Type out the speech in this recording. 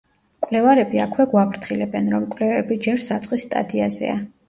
მკვლევარები აქვე გვაფრთხილებენ, რომ კვლევები ჯერ საწყის სტადიაზეა.